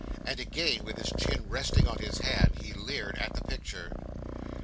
And again, with his chin resting on his hand, he leered at the picture.